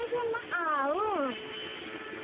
あうん。